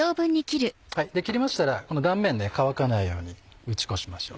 切りましたらこの断面乾かないように打ち粉しましょう。